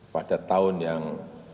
pada tahun yang